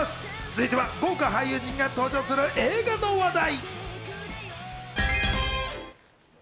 続いては豪華俳優陣が登場する映画の話題。